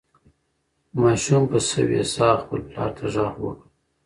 ماشوم په سوې ساه خپل پلار ته غږ وکړ.